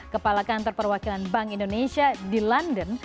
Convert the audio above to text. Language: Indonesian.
kepala kantor perwakilan bank indonesia di london